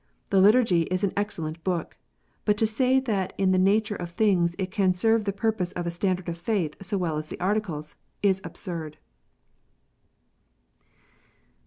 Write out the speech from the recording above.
The Liturgy is an excellent book. But to say that in the nature of things it can serve the purpose of a standard of faith so well as the Articles, is absurd.